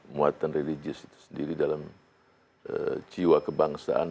muatan religius itu sendiri dalam jiwa kebangsaan